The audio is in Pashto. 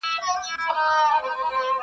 د آدم خان د رباب زور وو اوس به وي او کنه؛